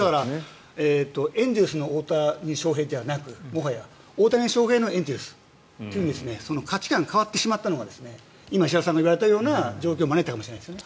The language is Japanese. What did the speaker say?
エンゼルスの大谷翔平ではなくもはや大谷翔平のエンゼルスという価値観が変わってしまったのが今、石原さんが言われたような状況を招いたかもしれないです。